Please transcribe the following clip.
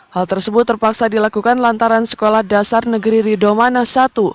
hal tersebut terpaksa dilakukan lantaran sekolah dasar negeri ridomana i